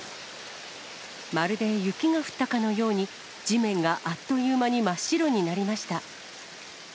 まるで雪が降ったかのように、地面があっという間に真っ白になりました。